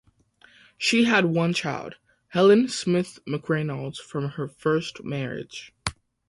She had one child, Helen Smith Mcreynolds, from her first marriage.